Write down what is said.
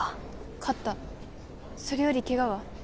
勝ったそれよりケガは？